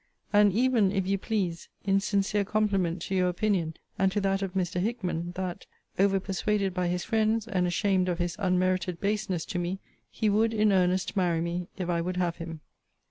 And even, if you please, in sincere compliment to your opinion, and to that of Mr. Hickman, that (over persuaded by his friends, and ashamed of his unmerited baseness to me) he would in earnest marry me, if I would have him.